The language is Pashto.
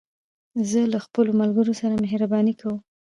زه له خپلو ملګرو سره مهربانې کوم.